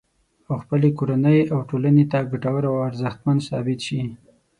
او خپلې کورنۍ او ټولنې ته ګټور او ارزښتمن ثابت شي